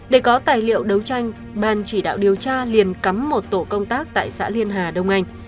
để có tài liệu đấu tranh ban chỉ đạo điều tra liền cắm một tổ công tác tại xã liên hà đông anh